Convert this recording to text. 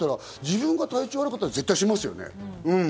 実際に自分が体調悪かったら、マスクしますよね。